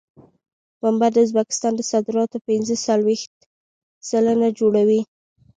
پنبه د ازبکستان د صادراتو پنځه څلوېښت سلنه جوړوي.